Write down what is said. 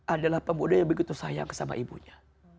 adalah pemuda yang begitu sayang sama ibunya